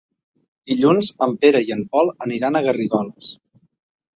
Dilluns en Pere i en Pol aniran a Garrigoles.